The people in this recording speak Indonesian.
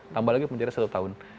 tambah lagi penjara satu tahun